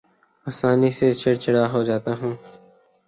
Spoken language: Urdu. آسانی سے چڑ چڑا ہو جاتا ہوں